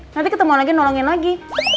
nanti ketemu lagi nolongin lagi